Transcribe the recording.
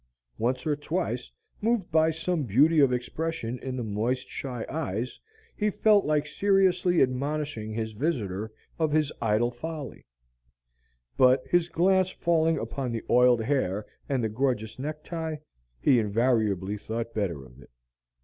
Once or twice, moved by some beauty of expression in the moist, shy eyes, he felt like seriously admonishing his visitor of his idle folly; but his glance falling upon the oiled hair and the gorgeous necktie, he invariably thought better of it.